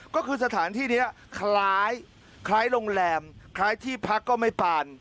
ก็คือสถานที่นี้คล้ายโรงแรมคล้ายที่พักก็ไม่ปาน